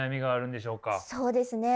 そうですね